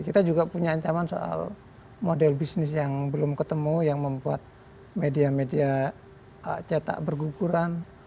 kita juga punya ancaman soal model bisnis yang belum ketemu yang membuat media media cetak berguguran